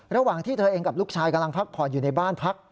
ระหว่างที่เธอเองกับลูกชายกำลังพักผ่อนอยู่ในบ้านพัก